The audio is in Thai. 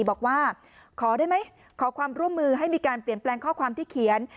บอกว่าขอได้ไหมขอความร่วมมือให้มีการเปลี่ยนแปลงข้อความที่เขียน